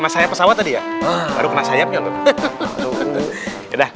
saya pesawat tadi ya